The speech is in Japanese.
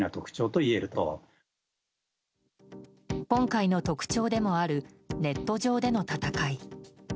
今回の特徴でもあるネット上での戦い。